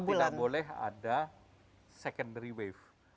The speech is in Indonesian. tidak boleh ada secondary wave